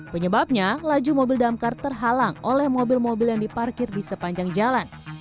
penyebabnya laju mobil damkar terhalang oleh mobil mobil yang diparkir di sepanjang jalan